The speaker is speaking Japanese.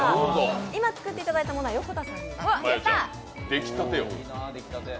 今作っていただいたものは横田さんに。